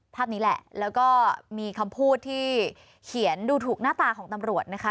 ภาพนี้แหละแล้วก็มีคำพูดที่เขียนดูถูกหน้าตาของตำรวจนะคะ